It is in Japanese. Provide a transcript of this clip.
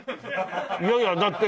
いやいやだって。